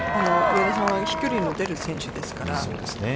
上田さんは、飛距離の出る選手ですから。